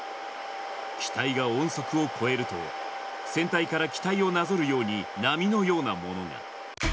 機体が音速を超えると、先端から機体をなぞるように波のようなものが。